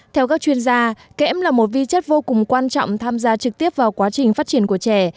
theo các chuyên gia kẽm là một vi chất vô cùng quan trọng tham gia trực tiếp vào quá trình phát triển của trẻ